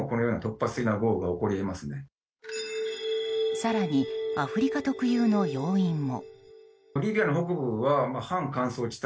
更に、アフリカ特有の要因も。